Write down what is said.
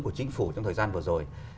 của chính phủ trong thời gian vừa rồi